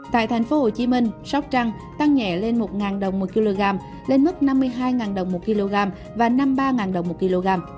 tại thành phố hồ chí minh sóc trăng tăng nhẹ lên một đồng mỗi kg lên mức năm mươi hai đồng mỗi kg và năm mươi ba đồng mỗi kg